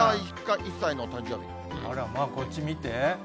あらまあ、こっち見て。